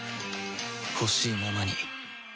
ほしいままに